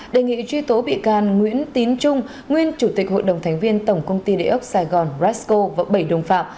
đề nghị truy tố bị can nguyễn tín trung nguyên chủ tịch hội đồng thánh viên tổng công ty địa ốc sài gòn resco và bảy đồng phạm